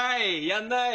やんない。